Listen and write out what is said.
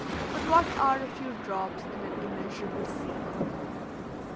But what are a few drops in an immeasurable sea?